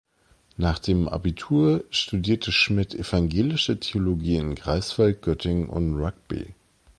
Nach dem Abitur studierte Schmidt Evangelische Theologie in Greifswald, Göttingen und Rugby.